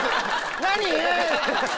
「何⁉」。